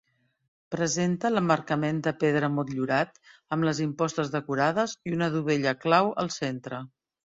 Presenta l'emmarcament de pedra motllurat, amb les impostes decorades i una dovella clau al centre.